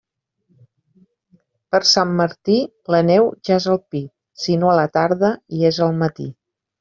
Per Sant Martí, la neu ja és al pi, si no a la tarda, hi és al matí.